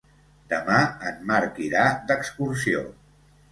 Demà en Marc irà d'excursió.